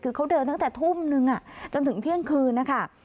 คือเขาเดินตั้งแต่ทุ่มนึงจนถึงเที่ยงคืนนะคะ